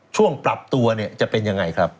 ช่วงปรับตัวเนี่ยจะเป็นยังไงครับ